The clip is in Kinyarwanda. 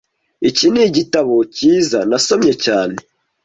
Iki nigitabo cyiza nasomye cyane